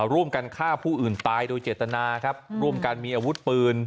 ร่วมกันฆ่าผู้อื่นตายโดยเจตนาครับร่วมกันมีอาวุธปืน